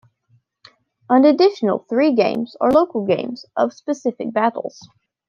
An additional three games are local games of specific battles.